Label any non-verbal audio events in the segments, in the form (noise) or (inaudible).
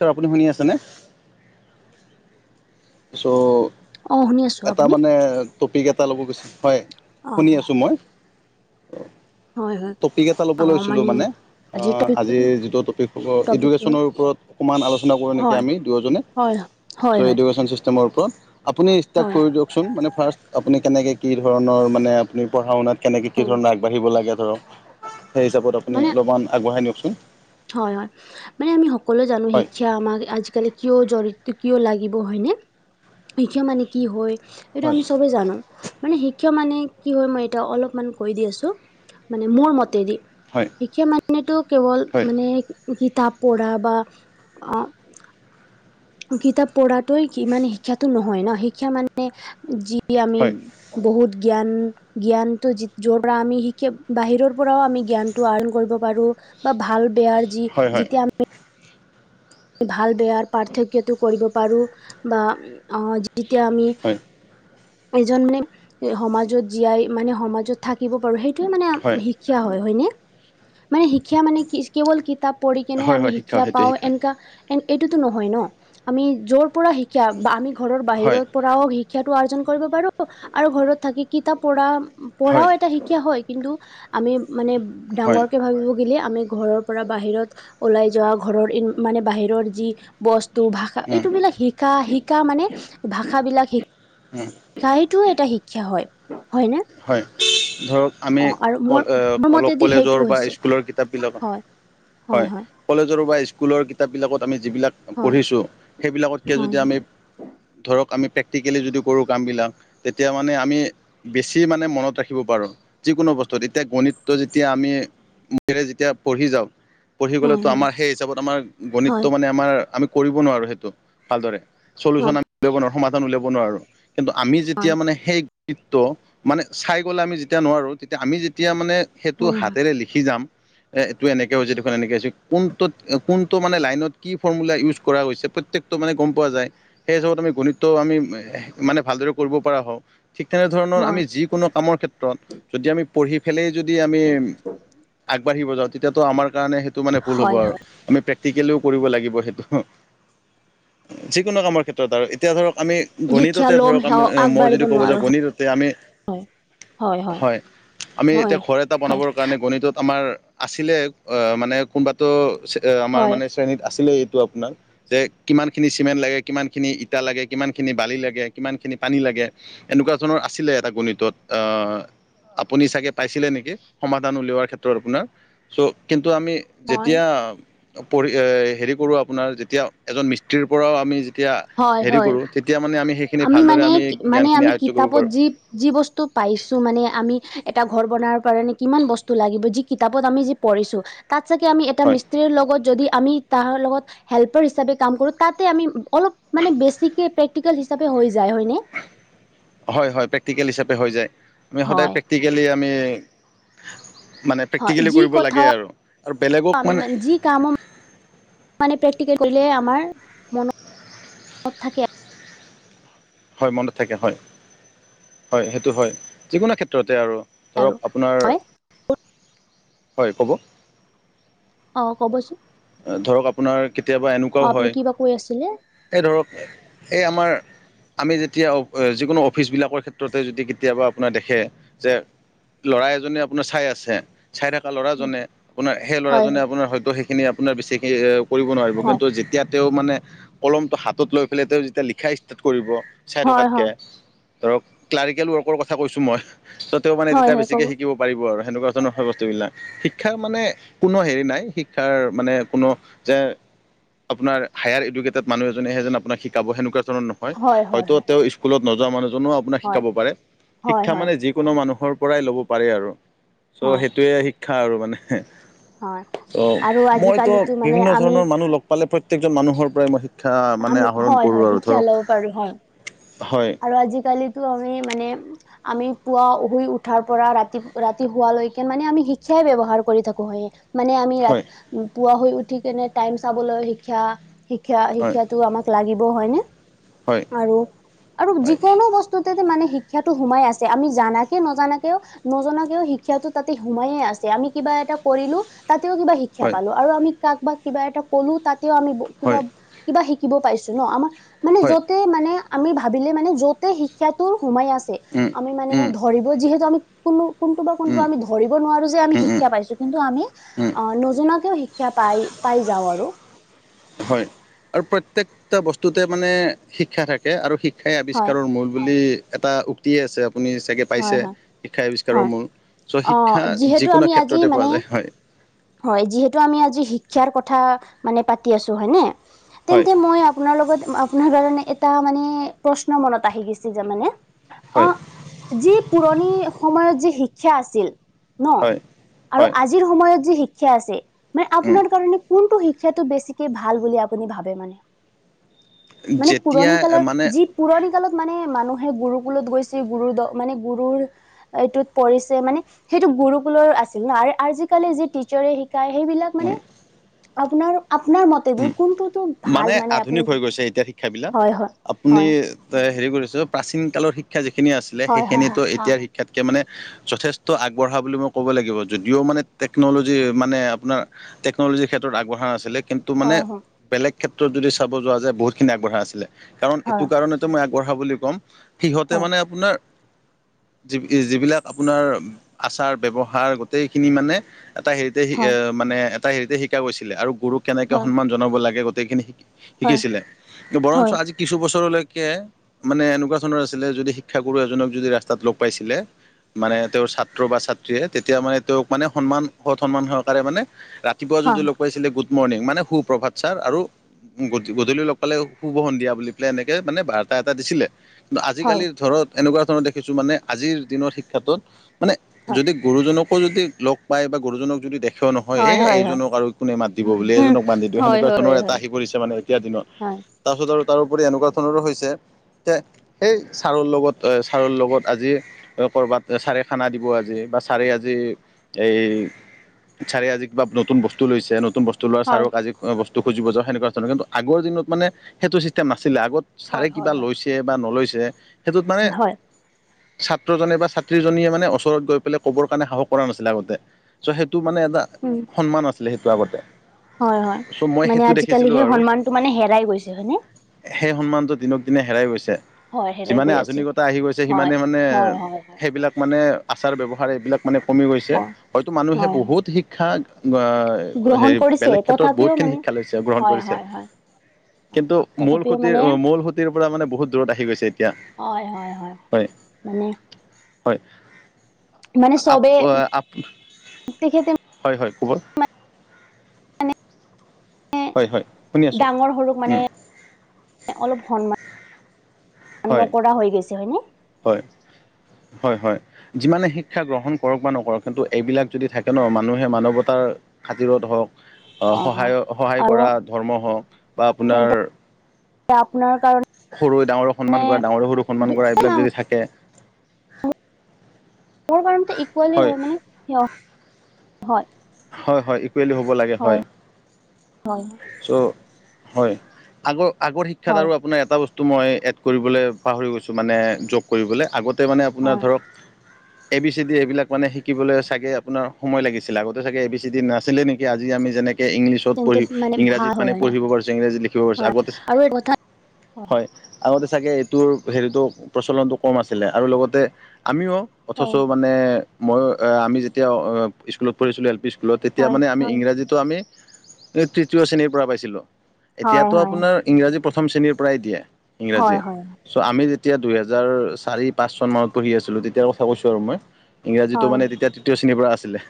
Sir, আপুনি শুনি আছেনে? চ' অ, শুনি আছোঁ। এটা মানে টপিক এটা ল'ব (unintelligible) হয়, অ শুনি আছোঁ মই। হয় হয় টপিক এটা ল'ব লৈছিলোঁ মানে আ আজিৰ টপিকটো আজি যিটো টপিক হ'ব টপিকটো হ'ল এডুকেশ্যনৰ ওপৰত সমান আলোচনা কৰোঁ নেকি হয় আমি দুয়োজনে। হয় চ' হয় হয় এডুকেশ্যন চিষ্টেমৰ ওপৰত। আপুনি ষ্টাৰ্ট হয় কৰি দিয়কচোন, মানে ফাৰ্ষ্ট আপুনি কেনেকৈ কি ধৰণৰ মানে আপুনি পঢ়া শুনাত কেনেকে, কি ধৰণে আগবাঢ়িব লাগে ধৰক। সেই হিচাপত আপুনি মানে অলপমান আগবঢ়াই নিয়কচোন। হয় হয়। মানে আমি সকলোৱে জানো হয় শিক্ষা আমাক আজি আজিকালি কিয় জঢ়িত, কিয় লাগিব, হয়নে? এ কিয় মানে কি হয়। এইটো হয় আমি সবেই জানো। মানে শিক্ষক মানে কি হয় মই এটা অলপমান কৈ দি আছো, মানে মোৰ মতেদি। হয়। শিক্ষা মানেতো কেৱল হয় মানে কিতাপ পঢ়া বা অ কিতাপ পঢ়াটোৱে কি মানে শিক্ষাটো নহয় ন। শিক্ষা মানে যি আমি হয় বহুত জ্ঞান জ্ঞানটো যি যৰ পৰা আমি শিকি বাহিৰৰ পৰাও আমি জ্ঞানটো আহৰণ কৰিব পাৰো। বা ভাল বেয়াৰ যি হয় হয় যিতিয়া আমি ভাল বেয়াৰ পাৰ্থক্যটো কৰিব পাৰো বা অ যেতিয়া আমি হয় এজন মানে সমাজত জীয়াই মানে সমাজত থাকিব পাৰো। সেইটোৱে মানে হয় শিক্ষা হয়, হয়নে? মানে শিক্ষা মানে কি কেৱল কিতাপ পঢ়ি কেনে হয় আমি হয় শিক্ষা সেইটোৱে পাওঁ, এনেকা এইটোতো নহয় ন। আমি যৰ পৰা শিকা বা আমি ঘৰৰ হয় বাহিৰৰ পৰা পৰাও শিক্ষাটো আৰ্জন কৰিব পাৰো আৰু ঘৰত থাকি কিতাপ পঢ়া হয় পঢ়াও এটা শিক্ষা হয় কিন্তু আমি মানে হয় ডাঙৰকে ভাবিব বুলি আমি ঘৰৰ পৰা বাহিৰত ওলাই যোৱা, ঘৰৰ মানে বাহিৰৰ যি বস্তু, ভাষা উম, এইটো বিলাক শিকা, শিকা মানে ভাষা বিলাক শি উম। গাইতোও এটা শিক্ষা হয় হয়নে? হয় ধৰক আমি অ আৰু মোৰ অল মোৰ অলপ মতেদি সেইটো কলেজৰ বা হৈছে স্কুলৰ কিতাপবিলাকত হয় হয়। কলেজৰ বা স্কুলৰ কিতাপবিলাকত আমি যিবিলাক হয়। পঢ়িছোঁ সেইবিলাকতকে হয় যদি আমি ধৰক, আমি প্ৰেক্টিকেলি যদি কৰোঁ কামবিলাক তেতিয়া মানে আমি বেছি মানে মনত ৰাখিব পাৰোঁ যিকোনো বস্তুত এতিয়া গণিতটো যেতিয়া আমি মূখেৰে যেতিয়া পঢ়ি যাওঁ পঢ়ি হয় গ'লেতো আমাৰ সেই হিচাপতো আমাৰ গণিতটো হয় মানে আমাৰ আমি কৰিব নোৱাৰো সেইটো ভালদৰে। চলিওচন হয় আমি উলিয়াব নোৱাৰো, সমাধান উলিয়াব নোৱাৰো কিন্তু আমি যেতিয়া হয় মানে সেই ত' মানে চাই গ'ল আমি যেতিয়া নোৱাৰো তেতিয়া আমি যেতিয়া মানে সেইটো হয় হাতেৰে লিখি যাম এ এইটো এনেকে হৈছে দেখোন এনেকে কোনটোত কোনটো মানে লাইনত কি ফৰ্মুলা ইউজ কৰা হৈছে প্ৰত্যেক টো মানে গম পোৱা যায় সেই হিচাপত আমি গণিততো আমি মানে ভালদৰে কৰিব পৰা হও। তেনেধৰণৰ হয় আমি হয় যিকোনো কামৰ ক্ষেত্ৰত যদি আমি পঢ়ি পেলাই যদি আমি আগবাঢ়িব যাও তেতিয়াটো আমাৰ কাৰণে সেইটো মানে ভুল হব হয় আৰু হয় আমি প্ৰে টিকেলেও কৰিব লাগিব সেইটো যিকোনো কামৰ ক্ষেত্ৰত আৰু এতিয়া ধৰক আমি শিক্ষা গণিততে ল'ম ধৰক সেৱা আমি মই আগবাঢ়িব যদি ক'ব যাওঁ নোৱাৰো গণিততেই আমি হয় হয় আমি হয় যেতিয়া ঘৰ এটা হয় বনাবৰ কাৰণে গণিতত আমাৰ আছিলে আ মানে কোনোবাতো ছে আমাৰ হয় মানে তেনে আছিলে এইটো আপোনাৰ যে কিমানখিনি চিমেণ্ট লাগে, কিমানখিনি ইটা লাগে, কিমান খিনি বালি লাগে, কিমানখিনি পানী লাগে এনেকুৱা ধৰণৰ আছিলে এটা গণিতত আ আপুনি চাগে পাইছিলে নেকি সমাধান উলিওৱাৰ ক্ষেত্ৰত আপোনাৰ? চ' কিন্তু আমি হয় যেতিয়া পঢ়ি এ হেৰি কৰোঁ আপোনাৰ যেতিয়া এজন মিস্ত্ৰীৰ পৰাও আমি যেতিয়া হয় হেৰি হয় কৰো তেতিয়া মানে আমি সেইখিনি ভালদৰে মানে আমি মানে জ্ঞানখিনি আমি আ কিতাপত যি কি যি বস্তু পাইছো মানে আমি এটা ঘৰ বনাবৰ কাৰণে কিমান বস্তু লাগিব যি কিতাপত আমি যি পঢ়িছো তাত চাগে আমি এটা হয় মিস্ত্ৰীৰ লগত যদি আমি তাহাৰ লগত হেল্পাৰ হিচাপে কাম কৰো তাতে আমি অলপ মানে বেছিকে প্ৰেক্টিকেল হিচাপে হৈ যায় হয় নে? হয় হয় প্ৰেক্টিকেল হিচাপে হৈ যায়, আমি সদায় হয় প্ৰেক্টিকেলি আমি মানে হয় প্ৰেক্টিকেলি যি কৰিব লাগে আৰু, আৰু বেলেগক মানে কামক মানে প্ৰেকটিকেল কৰিলে আমাৰ মনত থাকে। হয় মনত থাকে হয়, হয় সেইটো হয় যিকোনো ক্ষেত্ৰতে আৰু ধৰক আৰু আপোনাৰ, হয় হয় ক'ব? অ ক'বচোন? অ ধৰক আপোনাৰ কেতিয়াবা এনেকুৱাও অ আপুনি হয়, কিবা কৈ আছিলে এই ধৰক এ এই আমাৰ আমি যেতিয়া অ যিকোনো অফিচবিলাকৰ ক্ষেত্ৰতে যদি কেতিয়াবা আপোনাৰ দেখে যে ল'ৰা এজনে আপোনাৰ চাই আছে চাই থাকা ল'ৰাজনে, আপোনাৰ সেই হয় ল'ৰাজনে আপোনাৰ হয়তো সেইখিনি আপোনাৰ বেছিকে এ কৰিব নোৱাৰিব হয় কিন্তু যেতিয়া তেওঁ মানে কলমটো হাতত লৈ পেলাই তেওঁ যেতিয়া লিখা ষ্টাৰট কৰিব চাই হয় হয় হয় থকাতকে, ধৰক ক্লাৰিকেল ৱৰ্কৰ কথা কৈছো মই, ত তেও মানে হয় তেতিয়া হয় ক'ব বেছিকে শিকিব পাৰিব আৰু সেনেকুৱা ধৰণৰ হয় বস্তুবিলাক, শিক্ষা মানে কোনো হেৰি নাই শিক্ষাৰ মানে কোনো যে আপোনাৰ হায়াৰ এডুকেটেত মানুহ এজনেহে যে আপোনাক শিকাব সেনেকোৱা ধৰণৰ ন হয়, হয়তো তেওঁ স্কুলত নযোৱা মানুহ এজনেও আপোনাক হয় শিকাব পাৰে, হয় হয় শিক্ষা হয় মানে যি কোনো মানুহৰ পৰাই ল'ব পাৰে আৰু চ' হয় সেইটোয়ে শিক্ষা আৰু মানে। হয় ত' আৰু মইতো আজিকালিতো মানে বিভিন্ন আমি ধৰণৰ মানুহ লগ পালে প্ৰত্যেকজন মানুহৰ পৰাই মই শিক্ষা মানে আমি আহৰণ হয় কৰোঁ হয় আৰু শিক্ষা ধৰক ল'ব পাৰো হয় হয়। আৰু আজিকালিতো আমি মানে আমি পুৱা শুই উঠাৰ পৰা ৰাতি ৰাতি শোৱালৈকে মানে আমি শিক্ষাই ব্যৱহাৰ কৰি থাকো হয় মানে আমি হয় ৰাতিপুৱা শুই উঠি কেনে টাইম চাবলৈ শিক্ষা শিক্ষা হয় শিক্ষা ইটো আমাক লাগিব হয় ন হয় আৰু আৰু হয় যিকোনো বস্তুতে যে মানে শিক্ষাটো সোমাই আছে আমি জানাকে নজনাকেও নজনাকেও শিক্ষা তাতে সোমায়ে আছে আমি কিবা এটা কৰিলো তাতেও কিবা শিক্ষা শিক্ষা পালো আৰু আমি কাক বা কিবা এটা কলো তাতেও আমি -কিবা হয় হয় কিবা শিকিব পাইিছো ন' আমাৰ মানে হয় য'তে মানে আমি ভ ভাবিলে মানে য'তে শিক্ষাটো সোমাই আছে। উম। আমি মানে উম ধৰিব যিহেতু আমি কোনো কোনটো বা কোনটো উম আমি ধৰিব নোৱাৰো যে আমি উম উম শিক্ষা পাইছো কিন্তু আমি উম নজনাকৈও শিক্ষা পাই-পাই যাওঁ আৰু। হয় আৰু প্ৰত্যেকটা বস্তুতে মানে শিক্ষা থাকে। আৰু শিক্ষাই হয় আৱিষ্কাৰৰ মূল বুলি এটা উক্তিয়ে আছে আপুনি চাগে হয় পাইছে হয় শিক্ষা আৱিষ্কাৰৰ হয় মূল চ' অ শিক্ষা যিহেতু আমি যিকোনো আজি ক্ষেত্ৰতে মানে পোৱা যায় হয়। হয় যিহেতু আমি আজি শিক্ষাৰ কথা মানে পাতি আছো হয়নে হয় তেন্তে মই আপোনাৰ লগত আপোনাৰ কাৰণে এটা মানে প্ৰশ্ন মনত আহি গৈছে যে মানে হয় অ', যি পুৰণি সময়ত যি শিক্ষা আছিল ন' হয় আৰু হয় আজি আজিৰ সময়ত যি শিক্ষা আছে মানে উম আপোনাৰ কাৰণে কোনটো শিক্ষটো বেছিকে ভাল বুলি আপুনি ভাবে মানে? মানে যেতিয়া পুৰণি মানে কালত যি পুৰণি কালত মানে মানুহে গুৰু কুলত গৈছে গুৰুৰ দ মানে গুৰুৰ এইটোত পৰিছে মানে সেইটো গুৰুকুলৰ আছিল ন' আৰু আজিকালি যি টিচাৰে শিকাই সেইবিলাক মানে আপোনাৰ আপোনাৰ মত উ' মানে আধুনিক হৈ গৈছে এতিয়া শিক্ষাবলাক হয় হয় আপুনি হয় হেৰি কৰিছো প্ৰাচীন কালৰ শিক্ষা যিখিনি আছিলে হয় হয় সেইখিনিতো হয় এতিয়াৰ শিক্ষাতকে মানে যথেষ্ট আগবঢ়া বুলি মই ক'ব লাগিব যদিও মানে টেকনলজি মানে আপোনাৰ টেকনলজিৰ ক্ষেত্ৰত আগবঢ়া নাছিল কিন্ত -মানে হয় হয় বেলেগ ক্ষেত্ৰত যদি চাব যোৱা যায় বহুতখিনি আগবঢ়া আছিলে কাৰণ হয় এইটো কাৰণে মই আগবঢ়া বুলি কম সিহঁতে হয় মানে আপোনাৰ যি যিবিলাক আপোনাৰ আচাৰ ব্যৱহাৰ গোটেইখিনি মানে এটা হেৰি -এ হয় মানে এটা হেৰিতে শিকা গৈছিলে আৰু গুৰুক কেনেকে হয় সন্মান জনাব লাগে গোটেইখিনি শিক হয় হয় শিকিছিলে কি বৰঞ্চ আজি কিছু বছৰলৈকে মানে এনেকুৱা ধৰণৰ আছিলে যদি শিক্ষাগুৰু এজনক যদি ৰাস্তাত লগ পাইছিলে। মানে তেওঁৰ ছাত্ৰ বা ছাত্ৰীয়ে তেতিয়া মানে তেওঁক মানে সন্মান সৎ সন্মান সহকাৰে মানে ৰাতিপুৱা হয় যদি লগ পাইছিলে গুড মৰ্ণিং মানে সু-প্ৰভাত ছাৰ আৰু -গধূলি লগ পালে সুব সন্ধিয়া বুলি পেলাই এনেকে মানে বাৰ্তা এটা দিছিলে। আজিকালিৰ ধৰত এনেকুৱা ধৰণৰ দেখিছো মানে আজিৰ দিনৰ শিক্ষাটোত মানে যদি গুৰুজনক আকৌ যদি লগ পায় বা গুৰুজনক যদি দেখেও নহয়ে এইজনক আৰু কোনে মাত দিব বুলি এজনক বান্ধি দিওঁ সেনেকুৱা ধৰণৰ এটা আহি পৰিছে মানে এতিয়া দিনত তাৰপিছত আৰু তাৰোপৰি এনেকুৱা ধৰণৰো হৈছে তে সেই চাৰৰ লগত চাৰৰ লগত আজি ত ক'ৰবাত ছাৰে খানা দিব আজি বা ছাৰে আজি এই চাৰে আজি কিবা নতুন বস্তু লৈছে নতু ধৰি লওক চাৰক আজি বস্তু খোজিব যাওঁ সেনেকুৱা ধৰণৰ কি আগৰ দিনত মানে সেইটো চিষ্টেম নাছিলে আগত চাৰে হয় কিবা হয় হয় লৈছে বা নলৈছে সেইটোত মানে উম হয় হয় হয় হয় হয় হয় হয় হয় হয় হয় ছাত্ৰজনে বা ছাত্ৰীজনীয়ে মানে ওচৰত গৈ পেলাই ক'বৰ কাৰণে সাহস কৰা নাছিলে আগতে চ' সেইটো মানে এটা উম সন্মান আছিলে সেইটো আগত হয় হয় মানে আজিকালি সেই আৰু সন্মানটো মানে হেৰাই গৈছে হয়নে সেই সন্মানটো দিনক দিনে হেৰাই গৈছে হয় হেৰাই যিমানে গৈ আছে আধুনিকতা আহি গৈছে হয় সিমানে মানে হয় হয় হয় সেইবিলাক মানে আচাৰ ব্যৱহাৰ এইবিলাক মানে কমি গৈছে হয় হয়তো মানুহে হয় হয় বহুত শিক্ষাক এ গ্ৰহণ হেৰি কৰিছে বেলেগ ক্ষেত্ৰত বহুত তথাপিও খিনি মানে শিক্ষা লৈছে গ্ৰহণ হয় কৰিছে। হয় হয় হয় কিন্তু মূল তথাপিও মানে সোতিৰ মূল সোতিৰ পৰা মানে বহুত দূৰত আহি গৈছে এতিয়া হয়। মানে হয় মানে আপ চবে এ আপ তেখেতে হয় হয় ক'বৰ এ হয় হয় শুনি আছোঁ ডাঙৰ সৰুক মানে উম অলপ সন্মান হয় নকৰা হৈ গৈছে হয়নে হয় হয় হয় যিমানে শিক্ষা গ্ৰহণ কৰক বা নকৰক কিন্তু এইবিলাক যদি থাকে ন মানুহে মানৱতাৰ খাতিৰত হওক অ', সহায় সহায় আৰু কৰা ধৰ্ম হওক বা আপোনাৰ এতিয়া আপোনাৰ কাৰণে সৰু ডাঙৰে সন্মান কৰা ডাঙৰে সৰুক সন্মান কৰা এইবিলাক যদি থাকে মোৰ কাৰণতে ইকুৱেলি হয় মানে হ হয় হয় হয় ইকুৱেলি হ'ব লাগে হয় হয়, চ' হয় আগৰ আগৰ শিক্ষাত হয়, আৰু আপোনাৰ এটা বস্তু তো মই এড কৰিবলে পাহৰি গৈছো মানে জব কৰিবলে আগতে মানে আপোনাৰ হয়। ধৰক এ বি চি ডি এইবিলাক মানে শিকিবলে চাগে আপোনাৰ সময় লাগিছিল আগত আগতে চাগে এ বি চি ডি নাছিলে নেকি আজি আমি যেনেকে ইংলিছ ত তেন্তে পঢ়ি মানে ভাল ইংৰাজীত হয় মানে হয় নে? পঢ়িব পাৰিছো ইংৰাজীত লিখিব পাৰিছো হয় আগতে আৰু এই কথা হয় আগতে চাগে এইটোৰ হেৰিটো প্ৰচলনটো কম আছিলে আৰু লগতে আমিও অথচ হয়, মানে মইয়ো আমি যেতিয়া স্কুলত পঢ়িছিলো এল পি স্কুলত তেতিয়া হয়, মানে আমি হয়, ইংৰাজীটো আমি তৃতীয় শ্ৰেণীৰ পৰা পাইছিলোঁ হয়, এতিয়াতো হয়, আপোনাৰ ইংৰাজী প্ৰথম শ্ৰেণীৰ পৰাই দিয়ে ইংৰাজী হয়, হয়, চ' আমি যেতিয়া দুইহেজাৰ চাৰি পাঁচ চন মানত পঢ়ি আছিলো তেতিয়াৰ কথা কৈছো আৰু মই ইংৰাজীটো হয়, মানে তেতিয়া তৃতীয় শ্ৰেণীৰ পৰা আছিলে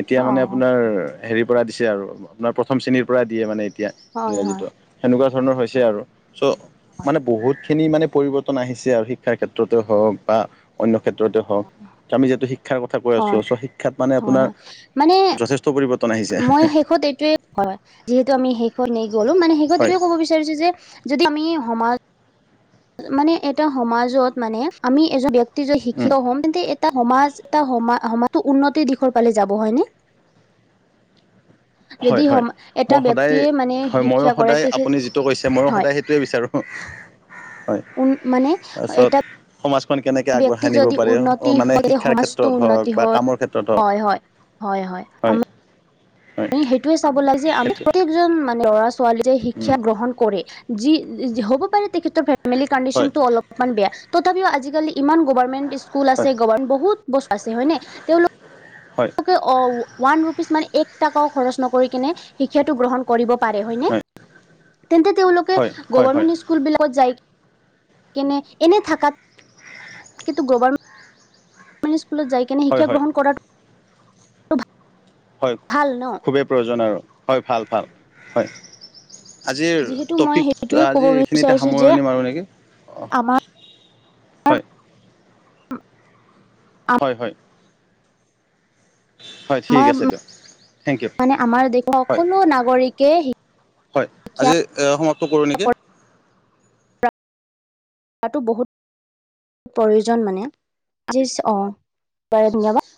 এতিয়া মানে অ', আপোনাৰ হেৰিৰ পৰা দিছে আৰু আপোনাৰ প্ৰথম শ্ৰেণীৰ পৰা দিয়ে মানে এতিয়া হয়, হয়, ইংৰাজীটো সেনেকুৱা ধৰণৰ হয়, হৈছে আৰু চ' মানে বহুত খিনি মানে পৰিৱৰ্তন আহিছে আৰু শিক্ষাৰ ক্ষেত্ৰতে হওক বা অন্য ক্ষেত্ৰতে হওক আমি যিহেতু শিক্ষাৰ কথা কৈ আছো হয়, চ শিক্ষা হয় হয় মানে যথেষ্ট পৰিৱৰ্তন আহে মই শেষত এইটোৱে হয় যিহেতু আমি শেষত গলো মানে শেষত হয় এইটোয়ে ক'ব বিচাৰিছো যে যদি আমি সমাজ মানে এটা সমাজত মানে আমি এজন ব্যক্তি যদি উম, শিক্ষিত হম তেন্তে এটা সমাজ, সমাজটো উন্নতিৰ দিশৰ ফালে যাব হয় নে? যদি হয় হয়, সম এটা মই সদায় ব্যক্তিয়ে মানে হয় মইয়ো শিক্ষা কৰে সদায় তেখেত আপুনি যিটো কৈছে মইয়ো হয় সদায় সেইটোৱে বিচাৰোঁ। হয় উন মানে তাৰপিছত এটা সমাজখন কেনেকে ব্যক্তি আগবঢ়াই নিব যদি পাৰে উন্নতি মানে হয় শিক্ষাৰ সমাজটো ক্ষেত্ৰত হওক উন্নতি বা হয় কামৰ ক্ষেত্ৰত হওক হয় হয় হয় হয়, আ হয় মি সেইটোয়ে চাব লাগে যে আমি সেইটো প্ৰত্যেকজন মানে ল'ৰা ছোৱালী যে উম। শিক্ষা গ্ৰহণ কৰে। যি হ'ব পাৰে তেখেতৰ ফেমিলি হয় কণ্ডিশনটো অলপমান বেয়া তথাপিও আজিকালি ইমান গভৰ্মেণ্ট স্কুল আছে গভৰ্মেণ্ট বহুত বস্তু আছে হয়নে তেওঁলোক হয়। অ ওৱান ৰুপিছ মানে এক টকাও খৰচ নকৰি কিনে শিক্ষাটো গ্ৰহণ কৰিব পাৰে হয় নে? হয় হয় হয় হয় গভৰ্ণমেন্ট স্কুলবিলাকত যায় কেনে এনে থাকাত কিন্তু গভৰ্ণ মেণ্ট স্কুলত যাই কেনে হয় শিক্ষা হয় গ্ৰহণ কৰা হয় ভাল ন খুবেই প্ৰয়োজন আৰু, হয় ভাল ভাল হয়। আজিৰ যিহেতু মই টপিক সেইটোৱে ক'ব আজি এইখিনিতে বিচাৰিছো যে সামৰণি মাৰো নেকি। অঁ আমাৰ হয় হয় হয়। হয় ঠিক আমাৰ আছে দিয়ক থেংক ইউ মানে আমাৰ দেশৰ হয় সকলো নাগৰিকে হয় শিক্ষা আজি এ সমাপ্ত কৰোঁ নেকি। তাতো বহুত প্ৰয়োজন মানে অ বাৰু ধন্যবাদ।